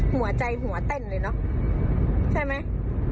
หัวใจหัวเต้นเลยเนอะใช่ไหม